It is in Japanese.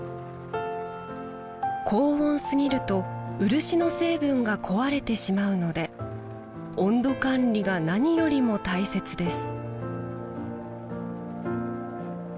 高温すぎると漆の成分が壊れてしまうので温度管理が何よりも大切です